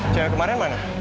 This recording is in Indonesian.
cewek kemarin mana